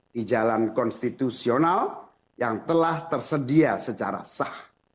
di jalan konstitusional yang telah tersedia secara sah